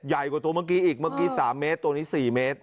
ใหญ่กว่าตัวเมื่อกี้อีกเมื่อกี้๓เมตรตัวนี้๔เมตร